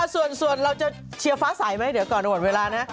ส่วนเราจะเชียร์ฟ้าใสไหมเดี๋ยวก่อนหมดเวลานะ